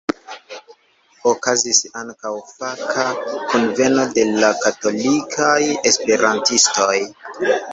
Okazis ankaŭ faka kunveno de la katolikaj esperantistoj.